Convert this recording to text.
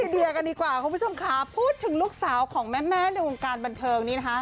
เดียกันดีกว่าคุณผู้ชมค่ะพูดถึงลูกสาวของแม่ในวงการบันเทิงนี้นะคะ